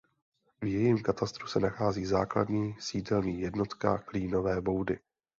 V jejím katastru se nachází základní sídelní jednotka Klínové Boudy.